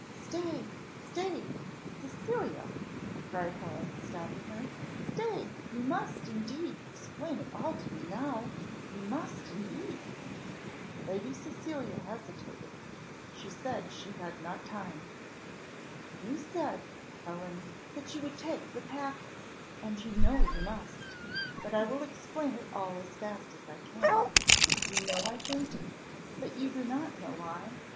"Stay, stay! Cecilia," cried Helen, stopping her; "stay! you must, indeed, explain it all to me now you must indeed!" Lady Cecilia hesitated said she had not time. "You said, Helen, that you would take the packet, and you know you must; but I will explain it all as fast as I can. You know I fainted, but you do not know why?